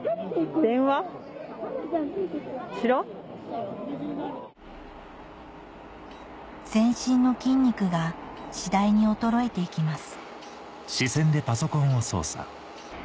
全身の筋肉が次第に衰えていきます